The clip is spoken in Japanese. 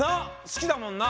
好きだもんな？